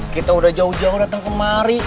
kita udah jauh jauh datang kemari